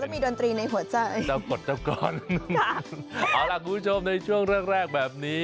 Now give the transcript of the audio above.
แล้วมีดนตรีในหัวใจค่ะคุณผู้ชมในช่วงแรกแบบนี้